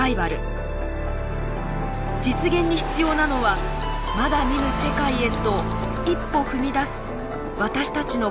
実現に必要なのはまだ見ぬ世界へと一歩踏み出す私たちの覚悟なのかもしれません。